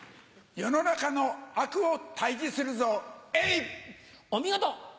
世の中の悪を退治するぞ、お見事。